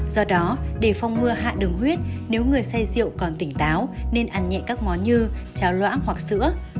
do đó để phong ngừa hạ đường huyết nếu người say rượu còn tỉnh táo nên ăn nhẹ các món như cháo loãng hoặc sữa